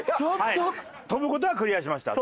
跳ぶ事はクリアしました。